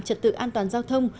trật tự an toàn giao thông